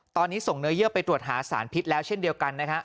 ตอนนี้ส่งเนื้อเยื่อไปตรวจหาสารพิษแล้วเช่นเดียวกันนะฮะ